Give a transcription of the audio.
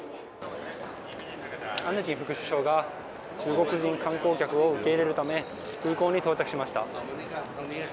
副首相が中国人観光客を受け入れるため空港に到着しました。